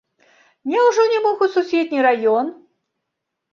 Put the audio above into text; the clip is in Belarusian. Няўжо не мог у суседні раён?